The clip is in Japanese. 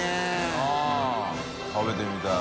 ◆舛食べてみたい。